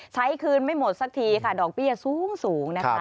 ใช้คืนไม่หมดสักทีค่ะดอกเบี้ยสูงนะคะ